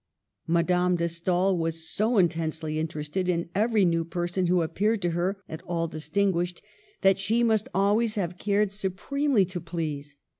Madame de Stael was so intensely interested in every new person who appeared to her at all distinguished, that she must always have cared supremely to please.